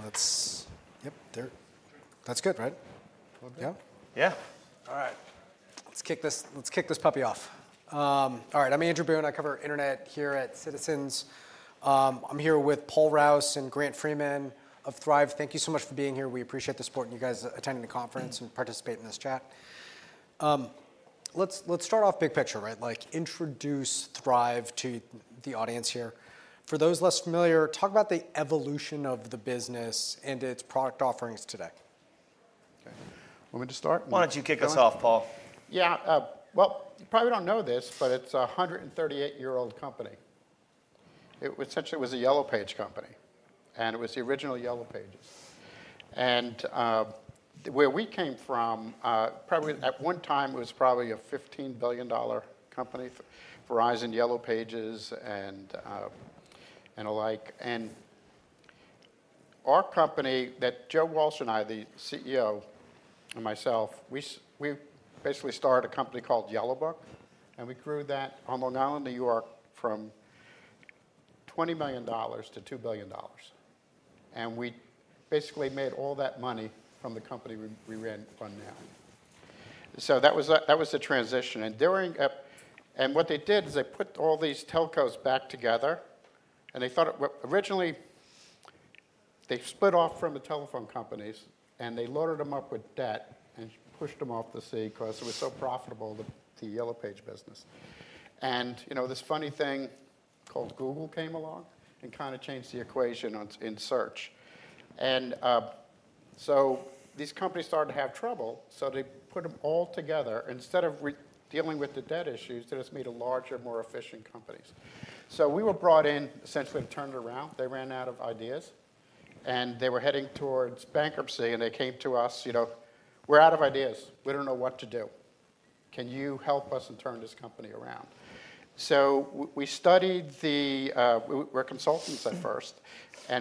All right. Let's, yep, there. That's good, right? Yeah. Yeah. All right. Let's kick this puppy off. All right, I'm Andrew Boone. I cover internet here at Citizens. I'm here with Paul Rouse and Grant Freeman of Thryv. Thank you so much for being here. We appreciate the support and you guys attending the conference and participating in this chat. Let's start off big picture, right? Introduce Thryv to the audience here. For those less familiar, talk about the evolution of the business and its product offerings today. Okay. Want me to start? Why don't you kick us off, Paul? Yeah. You probably don't know this, but it's a 138-year-old company. It essentially was a Yellow Page company. It was the original Yellow Pages. Where we came from, probably at one time, it was probably a $15 billion company, Verizon Yellow Pages and alike. Our company, that Joe Walsh and I, the CEO, and myself, we basically started a company called Yellow Book. We grew that on Long Island, New York, from $20 million to $2 billion. We basically made all that money from the company we ran from now. That was the transition. What they did is they put all these telcos back together. They thought, originally, they split off from the telephone companies. They loaded them up with debt and pushed them off the sea because it was so profitable, the Yellow Page business. This funny thing called Google came along and kind of changed the equation in search. These companies started to have trouble. They put them all together. Instead of dealing with the debt issues, they just made a larger, more efficient company. We were brought in essentially to turn it around. They ran out of ideas. They were heading towards bankruptcy. They came to us, "we're out of ideas. We don't know what to do. Can you help us and turn this company around?" We studied the, we were consultants at first.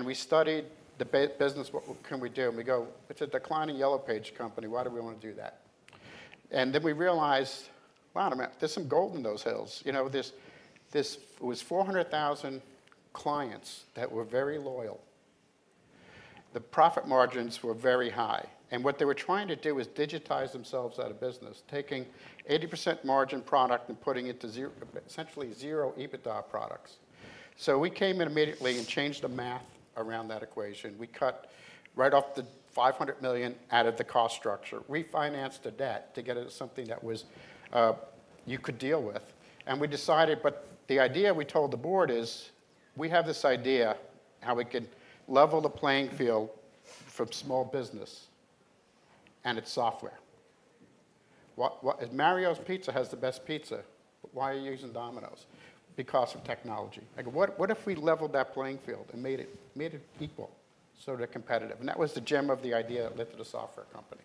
We studied the business, what can we do. We go, "it's a declining Yellow Page company. Why do we want to do that?" Then we realized, "wow, there's some gold in those hills." It was 400,000 clients that were very loyal. The profit margins were very high. What they were trying to do was digitize themselves out of business, taking 80% margin product and putting it to essentially zero EBITDA products. We came in immediately and changed the math around that equation. We cut right off the $500 million out of the cost structure. We financed the debt to get it to something that you could deal with. We decided, the idea we told the board is we have this idea how we could level the playing field for small business and its software. Mario's Pizza has the best pizza. Why are you using Domino's? Because of technology. What if we leveled that playing field and made it equal so they're competitive? That was the gem of the idea that led to the software company.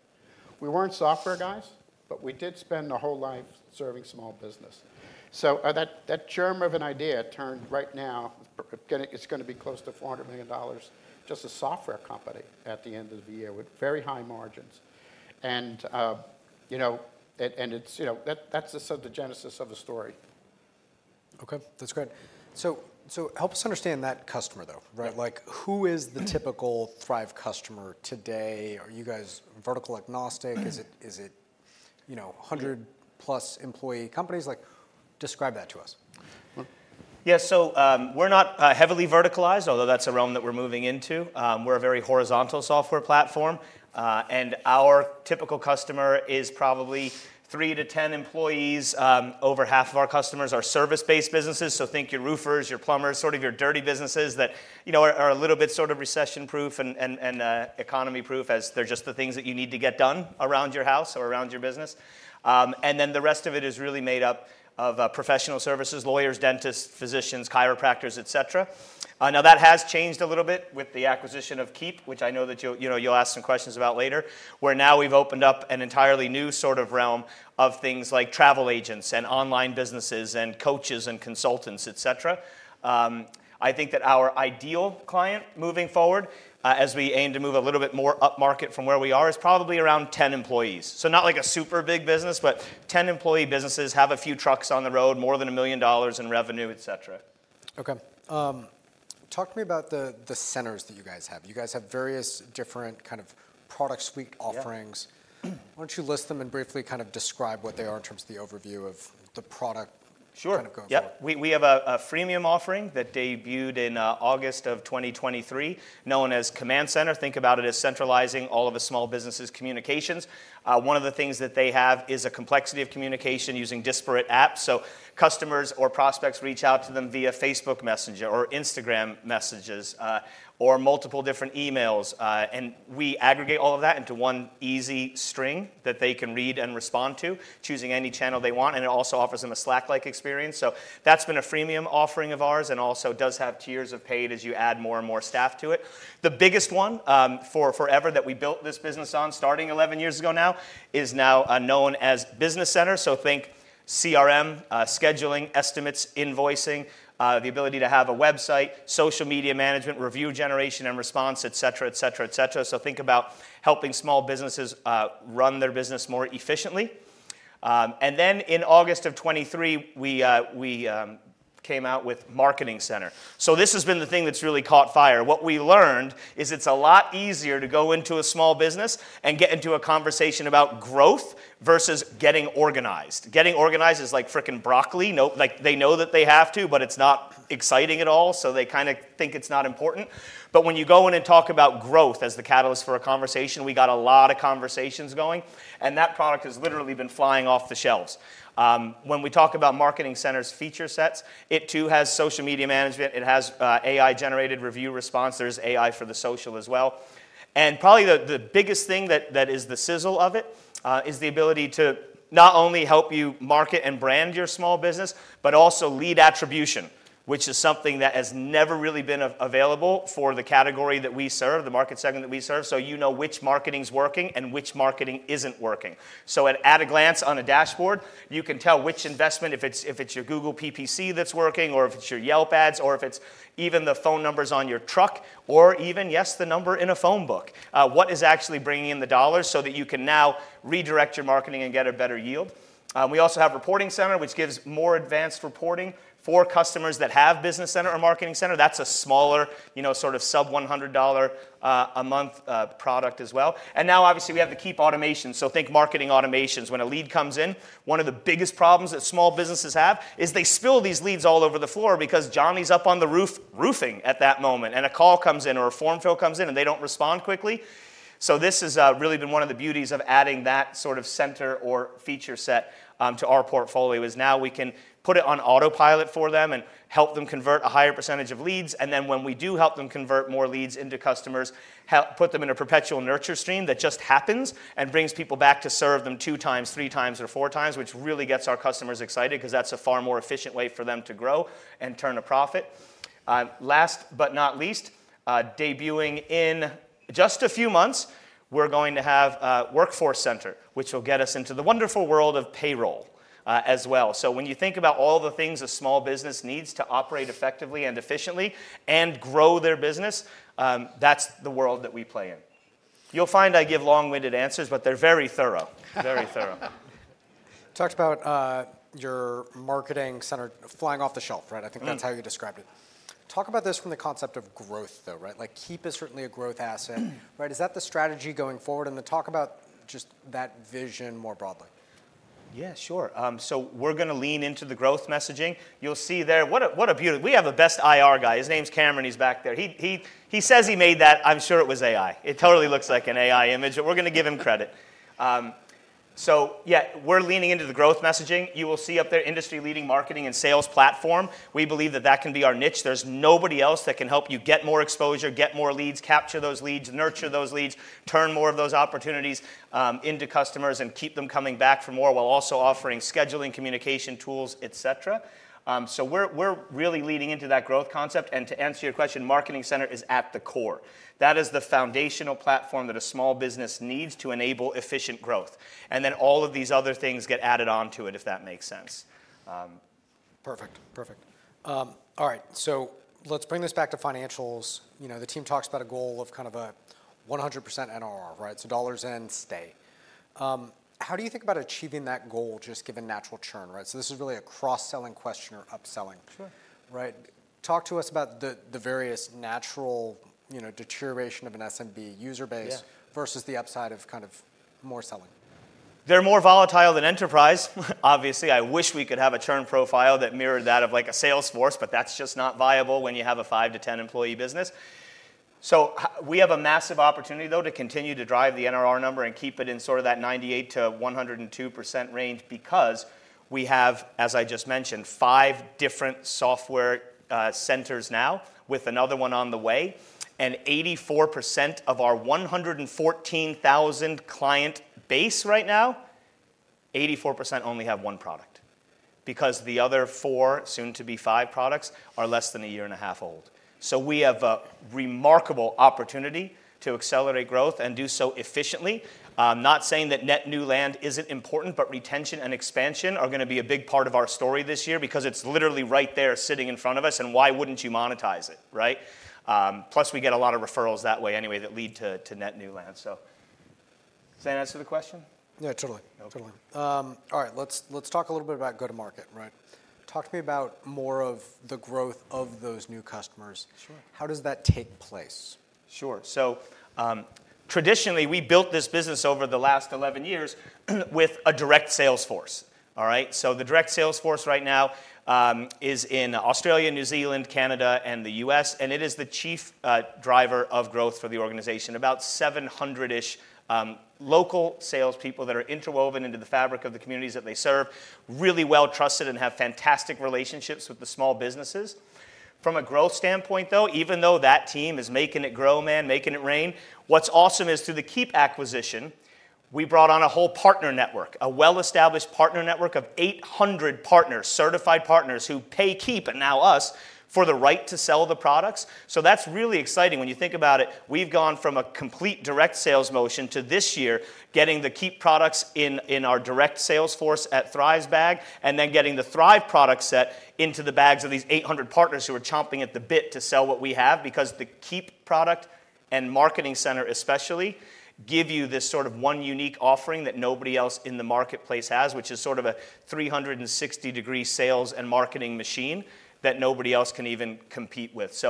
We weren't software guys, but we did spend our whole life serving small business. That germ of an idea turned right now, it's going to be close to $400 million just a software company at the end of the year with very high margins. That's the genesis of the story. Okay. That's great. Help us understand that customer, though. Who is the typical Thryv customer today? Are you guys vertical agnostic? Is it 100-plus employee companies? Describe that to us. Yeah. We're not heavily verticalized, although that's a realm that we're moving into. We're a very horizontal software platform. Our typical customer is probably 3 to 10 employees. Over half of our customers are service-based businesses. Think your roofers, your plumbers, sort of your dirty businesses that are a little bit sort of recession-proof and economy-proof as they're just the things that you need to get done around your house or around your business. The rest of it is really made up of professional services, lawyers, dentists, physicians, chiropractors, et cetera. That has changed a little bit with the acquisition of Keep, which I know that you'll ask some questions about later, where now we've opened up an entirely new sort of realm of things like travel agents and online businesses and coaches and consultants, et cetera. I think that our ideal client moving forward, as we aim to move a little bit more upmarket from where we are, is probably around 10 employees. So not like a super big business, but 10 employee businesses have a few trucks on the road, more than $1 million in revenue, et cetera. Okay. Talk to me about the centers that you guys have. You guys have various different kind of product suite offerings. Why don't you list them and briefly kind of describe what they are in terms of the overview of the product kind of going forward? Sure. We have a freemium offering that debuted in August of 2023 known as Command Center. Think about it as centralizing all of a small business's communications. One of the things that they have is a complexity of communication using disparate apps. Customers or prospects reach out to them via Facebook Messenger or Instagram messages or multiple different emails. We aggregate all of that into one easy string that they can read and respond to, choosing any channel they want. It also offers them a Slack-like experience. That has been a freemium offering of ours and also does have tiers of paid as you add more and more staff to it. The biggest one forever that we built this business on, starting 11 years ago now, is now known as Business Center. Think CRM, scheduling, estimates, invoicing, the ability to have a website, social media management, review generation and response, et cetera, et cetera, et cetera. Think about helping small businesses run their business more efficiently. In August of 2023, we came out with Marketing Center. This has been the thing that's really caught fire. What we learned is it's a lot easier to go into a small business and get into a conversation about growth versus getting organized. Getting organized is like freaking broccoli. They know that they have to, but it's not exciting at all. They kind of think it's not important. When you go in and talk about growth as the catalyst for a conversation, we got a lot of conversations going. That product has literally been flying off the shelves. When we talk about Marketing Center's feature sets, it too has social media management. It has AI-generated review response. There is AI for the social as well. Probably the biggest thing that is the sizzle of it is the ability to not only help you market and brand your small business, but also lead attribution, which is something that has never really been available for the category that we serve, the market segment that we serve. You know which marketing is working and which marketing isn't working. At a glance on a dashboard, you can tell which investment, if it's your Google PPC that's working or if it's your Yelp ads or if it's even the phone numbers on your truck or even, yes, the number in a phone book, what is actually bringing in the dollars so that you can now redirect your marketing and get a better yield. We also have Reporting Center, which gives more advanced reporting for customers that have Business Center or Marketing Center. That's a smaller sort of sub-$100 a month product as well. Now, obviously, we have the Keep automation. Think marketing automations. When a lead comes in, one of the biggest problems that small businesses have is they spill these leads all over the floor because Johnny's up on the roof roofing at that moment. A call comes in or a form fill comes in, and they don't respond quickly. This has really been one of the beauties of adding that sort of center or feature set to our portfolio. Now we can put it on autopilot for them and help them convert a higher percentage of leads. When we do help them convert more leads into customers, we help put them in a perpetual nurture stream that just happens and brings people back to serve them two times, three times, or four times, which really gets our customers excited because that's a far more efficient way for them to grow and turn a profit. Last but not least, debuting in just a few months, we're going to have Workforce Center, which will get us into the wonderful world of payroll as well. When you think about all the things a small business needs to operate effectively and efficiently and grow their business, that's the world that we play in. You'll find I give long-winded answers, but they're very thorough, very thorough. Talked about your Marketing Center flying off the shelf, right? I think that's how you described it. Talk about this from the concept of growth, though, right? Keep is certainly a growth asset. Is that the strategy going forward? Talk about just that vision more broadly. Yeah, sure. We're going to lean into the growth messaging. You'll see there, what a beauty. We have a best IR guy. His name's Cameron. He's back there. He says he made that. I'm sure it was AI. It totally looks like an AI image, but we're going to give him credit. Yeah, we're leaning into the growth messaging. You will see up there industry-leading marketing and sales platform. We believe that that can be our niche. There's nobody else that can help you get more exposure, get more leads, capture those leads, nurture those leads, turn more of those opportunities into customers, and keep them coming back for more while also offering scheduling, communication tools, et cetera. We're really leading into that growth concept. To answer your question, Marketing Center is at the core. That is the foundational platform that a small business needs to enable efficient growth. All of these other things get added onto it, if that makes sense. Perfect. Perfect. All right. Let's bring this back to financials. The team talks about a goal of kind of a 100% NRR, right? Dollars in, stay. How do you think about achieving that goal just given natural churn, right? This is really a cross-selling question or upselling. Sure Right? Talk to us about the various natural deterioration of an SMB user base versus the upside of kind of more selling. They're more volatile than enterprise, obviously. I wish we could have a churn profile that mirrored that of a Salesforce, but that's just not viable when you have a 5 employee to 10 employee business. We have a massive opportunity, though, to continue to drive the NRR number and keep it in sort of that 98% to 102% range because we have, as I just mentioned, five different software centers now with another one on the way. 84% of our 114,000 client base right now, 84% only have one product because the other four, soon to be five products, are less than a year and a half old. We have a remarkable opportunity to accelerate growth and do so efficiently. I'm not saying that net new land isn't important, but retention and expansion are going to be a big part of our story this year because it's literally right there sitting in front of us. Why wouldn't you monetize it, right? Plus, we get a lot of referrals that way anyway that lead to net new land. Does that answer the question? Yeah, totally, totally. All right. Let's talk a little bit about go-to-market, right? Talk to me about more of the growth of those new customers. How does that take place? Sure. Traditionally, we built this business over the last 11 years with a direct sales force, all right? The direct sales force right now is in Australia, New Zealand, Canada, and the U.S. It is the chief driver of growth for the organization. About 700-ish local salespeople that are interwoven into the fabric of the communities that they serve, really well trusted and have fantastic relationships with the small businesses. From a growth standpoint, though, even though that team is making it grow, man, making it rain, what's awesome is through the Keep acquisition, we brought on a whole partner network, a well-established partner network of 800 partners, certified partners who pay Keep and now us for the right to sell the products. That is really exciting. When you think about it, we've gone from a complete direct sales motion to this year getting the Keep products in our direct sales force at Thryv's bag and then getting the Thryv product set into the bags of these 800 partners who are chomping at the bit to sell what we have because the Keep product and Marketing Center, especially, give you this sort of one unique offering that nobody else in the marketplace has, which is sort of a 360-degree sales and marketing machine that nobody else can even compete with.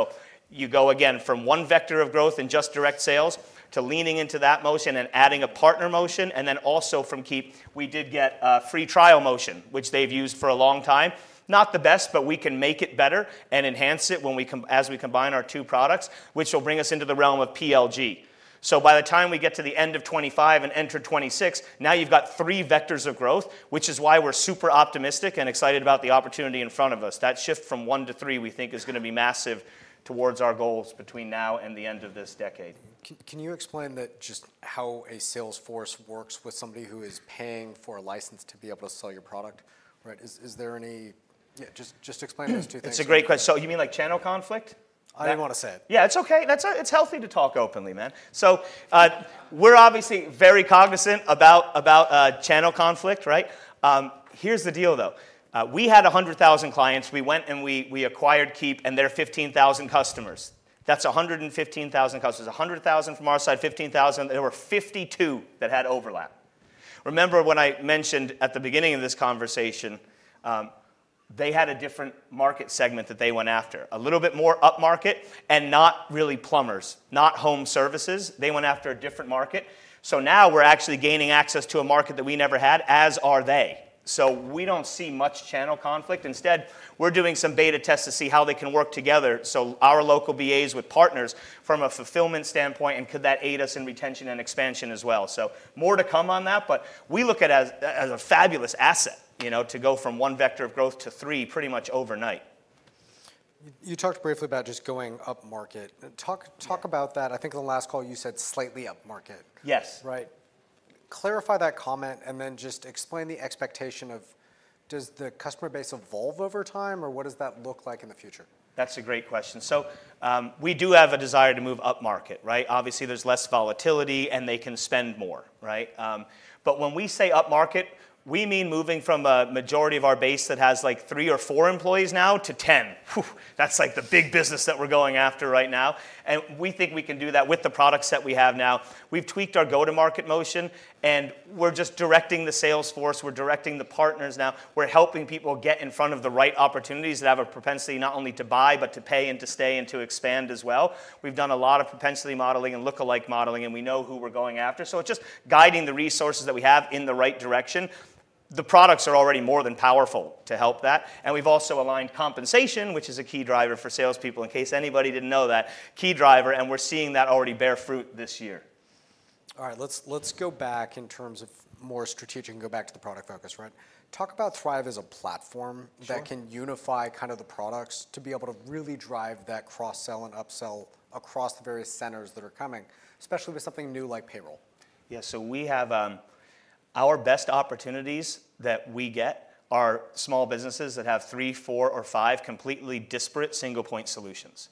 You go again from one vector of growth and just direct sales to leaning into that motion and adding a partner motion. Also from Keep, we did get a free trial motion, which they've used for a long time. Not the best, but we can make it better and enhance it as we combine our two products, which will bring us into the realm of PLG. By the time we get to the end of 2025 and enter 2026, now you've got three vectors of growth, which is why we're super optimistic and excited about the opportunity in front of us. That shift from one to three, we think, is going to be massive towards our goals between now and the end of this decade. Can you explain just how a sales force works with somebody who is paying for a license to be able to sell your product, right? Is there any, just explain those two things. It's a great question. You mean like channel conflict? I didn't want to say it. Yeah, it's okay. It's healthy to talk openly, man. We're obviously very cognizant about channel conflict, right? Here's the deal, though. We had 100,000 clients. We went and we acquired Keep, and they're 15,000 customers. That's 115,000 customers. 100,000 from our side, 15,000. There were 52 that had overlap. Remember when I mentioned at the beginning of this conversation, they had a different market segment that they went after, a little bit more upmarket and not really plumbers, not home services. They went after a different market. Now we're actually gaining access to a market that we never had, as are they. We don't see much channel conflict. Instead, we're doing some beta tests to see how they can work together. Our local BAs with partners from a fulfillment standpoint, and could that aid us in retention and expansion as well? More to come on that, but we look at it as a fabulous asset to go from one vector of growth to three pretty much overnight. You talked briefly about just going upmarket. Talk about that. I think in the last call, you said slightly upmarket. Yes. Right? Clarify that comment and then just explain the expectation of does the customer base evolve over time or what does that look like in the future? That's a great question. We do have a desire to move upmarket, right? Obviously, there's less volatility and they can spend more, right? When we say upmarket, we mean moving from a majority of our base that has like three or four employees now to 10. That's like the big business that we're going after right now. We think we can do that with the products that we have now. We tweaked our go-to-market motion and we're just directing the sales force. We're directing the partners now. We're helping people get in front of the right opportunities that have a propensity not only to buy, but to pay and to stay and to expand as well. We've done a lot of propensity modeling and lookalike modeling, and we know who we're going after. It's just guiding the resources that we have in the right direction. The products are already more than powerful to help that. We have also aligned compensation, which is a key driver for salespeople in case anybody did not know that key driver, and we are seeing that already bear fruit this year. All right. Let's go back in terms of more strategic and go back to the product focus, right? Talk about Thryv as a platform that can unify kind of the products to be able to really drive that cross-sell and upsell across the various centers that are coming, especially with something new like payroll. Yeah. We have our best opportunities that we get are small businesses that have three, four, or five completely disparate single-point solutions.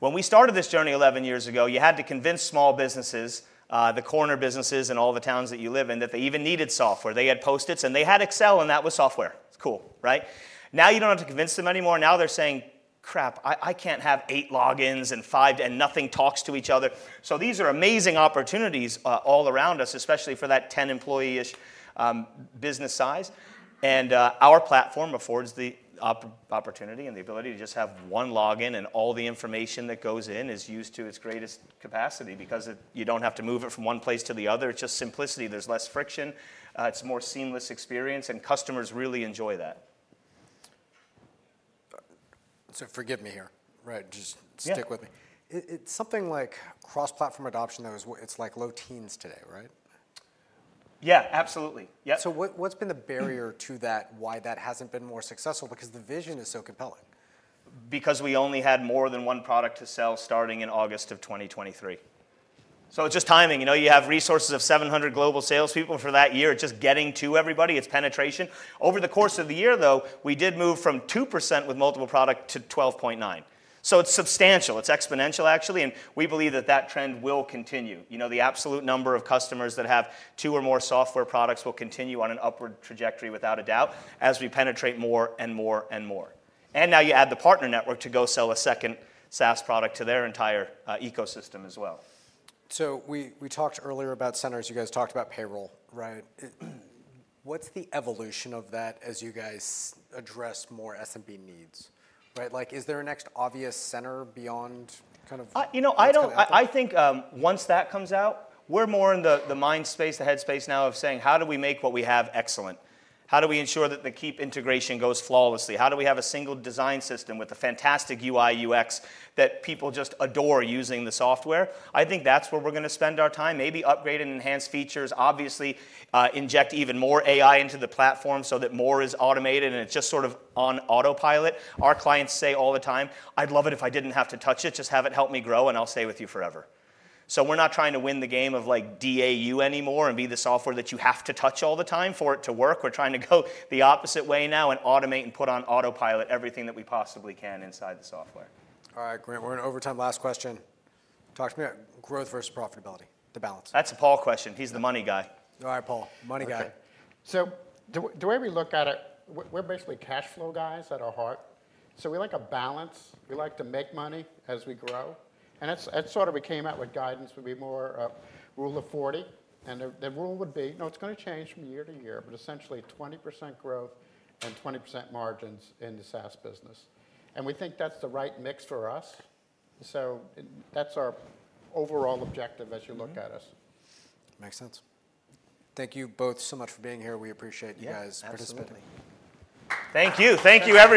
When we started this journey 11 years ago, you had to convince small businesses, the corner businesses in all the towns that you live in, that they even needed software. They had Post-its and they had Excel and that was software. It's cool, right? Now you do not have to convince them anymore. Now they're saying, "crap, I can't have eight logins and five and nothing talks to each other." These are amazing opportunities all around us, especially for that 10-employee-ish business size. Our platform affords the opportunity and the ability to just have one login and all the information that goes in is used to its greatest capacity because you do not have to move it from one place to the other. It's just simplicity. There's less friction. It's a more seamless experience and customers really enjoy that. Forgive me here, right? Just stick with me. Something like cross-platform adoption, though, it's like low-teens today, right? Yeah, absolutely. Yeah. What's been the barrier to that, why that hasn't been more successful? Because the vision is so compelling. Because we only had more than one product to sell starting in August of 2023. It is just timing. You have resources of 700 global salespeople for that year. It is just getting to everybody. It is penetration. Over the course of the year, though, we did move from 2% with multiple products to 12.9%. It's substantial. It is exponential, actually. I mean, we believe that that trend will continue. The absolute number of customers that have two or more software products will continue on an upward trajectory without a doubt as we penetrate more and more and more. Now you add the partner network to go sell a second SaaS product to their entire ecosystem as well. We talked earlier about centers. You guys talked about payroll, right? What's the evolution of that as you guys address more SMB needs, right? Is there a next obvious center beyond kind of? You know, I think once that comes out, we're more in the mind space, the head space now of saying, "how do we make what we have excellent? How do we ensure that the Keep integration goes flawlessly? How do we have a single design system with a fantastic UI/UX that people just adore using the software?" I think that's where we're going to spend our time. Maybe upgrade and enhance features, obviously inject even more AI into the platform so that more is automated and it's just sort of on autopilot. Our clients say all the time, "I'd love it if I didn't have to touch it. Just have it help me grow and I'll stay with you forever." We are not trying to win the game of DAU anymore and be the software that you have to touch all the time for it to work. We're trying to go the opposite way now and automate and put on autopilot everything that we possibly can inside the software. All right, Grant. We're in overtime. Last question. Talk to me about growth versus profitability, the balance. That's a Paul question. He's the money guy. All right, Paul. Money guy. The way we look at it, we're basically cash flow guys at our heart. We like a balance. We like to make money as we grow. That is sort of we came out with guidance would be more rule of 40. The rule would be, no, it's going to change from year to year, but essentially 20% growth and 20% margins in the SaaS business. We think that's the right mix for us. That is our overall objective as you look at us. Makes sense. Thank you both so much for being here. We appreciate you guys participating. Absolutely. Thank you. Thank you.